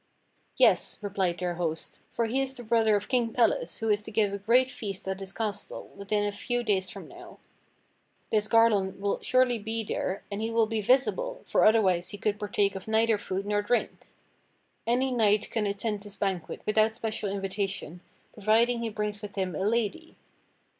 "^es," replied their host, "for he is the brother of King Pelles wlio is to give a great feast at his castle within a few days from now. This Garlon will surely be there, and he will be visible, for otherwise "THE GREAT BANQUET"* 'Hals, Banquet of Guard, Haarlem [Courtesy Braun et Cie.] he could partake of neither food nor drink. Any knight can attend this banquet without special invitation ])roviding he brings with him a lady.